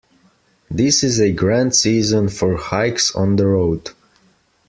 This is a grand season for hikes on the road.